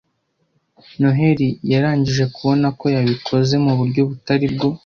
Noheri yarangije kubona ko yabikoze muburyo butari bwo.